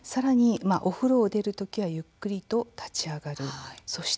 お風呂を出るときはゆっくりと立ち上がります。